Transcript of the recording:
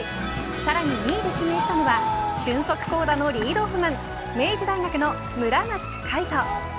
さらに２位で指名したのは俊足投打のリードオフマン明治大学の村松開人。